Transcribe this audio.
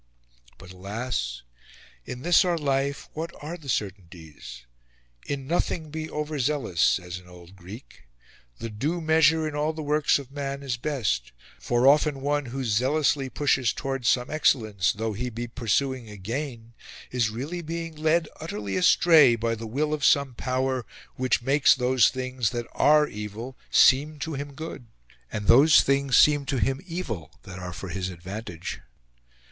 But alas! in this our life what are the certainties? "In nothing be over zealous!" says an old Greek. "The due measure in all the works of man is best. For often one who zealously pushes towards some excellence, though he be pursuing a gain, is really being led utterly astray by the will of some Power, which makes those things that are evil seem to him good, and those things seem to him evil that are for his advantage."